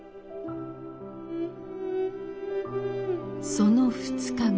その２日後